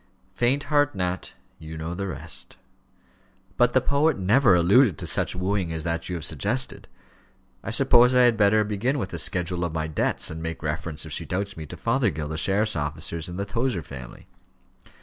"Faint heart, Nat you know the rest." "But the poet never alluded to such wooing as that you have suggested. I suppose I had better begin with a schedule of my debts, and make reference, if she doubts me, to Fothergill, the sheriff's officers, and the Tozer family."